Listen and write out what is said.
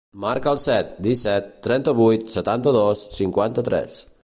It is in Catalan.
Marca el set, disset, trenta-vuit, setanta-dos, cinquanta-tres.